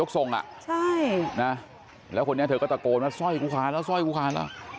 ทรงอ่ะใช่นะแล้วคนนี้เธอก็ตะโกนว่าสร้อยกูขวาแล้วสร้อยกูขวาแล้ว